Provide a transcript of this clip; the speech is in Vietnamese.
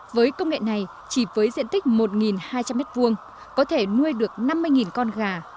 với công nghệ này chỉ với diện tích một hai trăm linh m hai có thể nuôi được năm mươi con gà